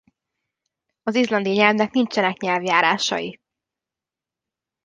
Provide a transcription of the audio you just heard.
Az izlandi nyelvnek nincsenek nyelvjárásai.